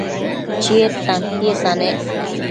Chied tantiesa nec